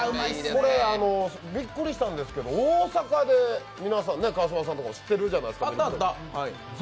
これ、びっくりしたんですが、大阪で、皆さん、川島さんとかも知ってるじゃないですか。